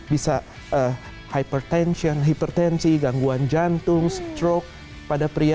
bisa hipertensi gangguan jantung stroke